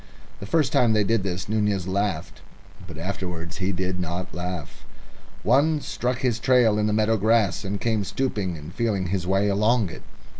The first time they did this Nunez laughed. But afterwards he did not laugh. One struck his trail in the meadow grass, and came stooping and feeling his way along it.